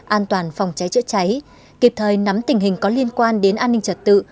an toàn phòng cháy chữa cháy kịp thời nắm tình hình có liên quan đến an ninh trật tự